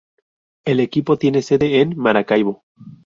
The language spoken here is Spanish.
El equipo tiene sede en Maracaibo.